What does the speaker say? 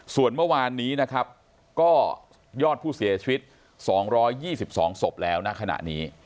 ส่วนเมื่อวานนี้นะครับก็ยอดผู้เสียชีวิต๒๒ศพแล้วนะขณะนี้